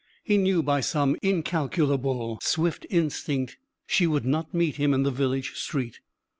He knew by some incalculable, swift instinct she would not meet him in the village street.